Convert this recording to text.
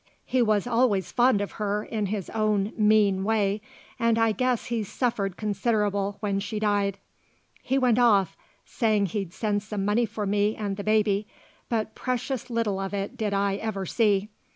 He was always fond of her in his own mean way, and I guess he suffered considerable when she died. He went off, saying he'd send some money for me and the baby, but precious little of it did I ever see.